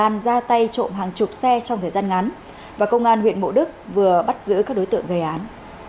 an ra tay trộm hàng chục xe trong thời gian ngắn và công an huyện mộ đức vừa bắt giữ các đối tượng gây án